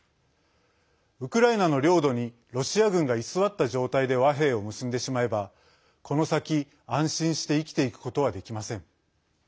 ウクライナの領土にロシア軍が居座った状態で和平を結んでしまえばこの先、安心して生きていくことはできません。